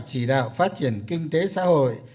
chỉ đạo phát triển kinh tế xã hội